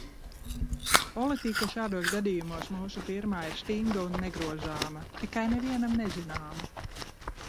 Politika šādos gadījumos mūsu firmā ir stinga un negrozāma, tikai nevienam nezināma...